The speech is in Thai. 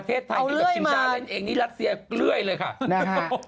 เอาเล้ยมา